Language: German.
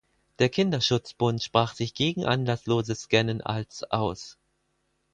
Der Kinderschutzbund sprach sich gegen anlassloses Scannen als aus.